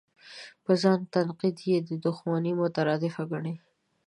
په ځان تنقید یې د دوښمنۍ مترادفه ګڼي.